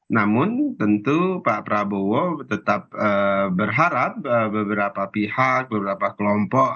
namun tentu pak prabowo tetap berharap beberapa pihak beberapa kelompok